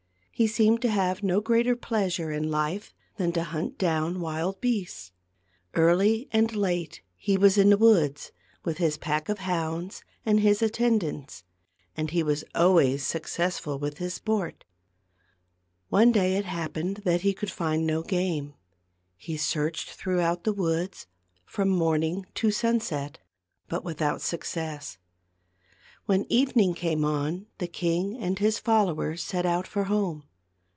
He seemed to have no greater pleas ure in life than to hunt down wild beasts. Early and late he was in the woods, with his pack of hounds and his attendants ; and he was always successful with his sport. One day it happened that he could find no game. He searched throughout the woods, from morning to sunset, but without success. When evening came on the king and his fol lowers set out for home.